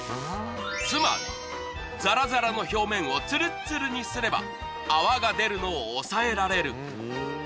つまりザラザラの表面をツルツルにすれば泡が出るのを抑えられる。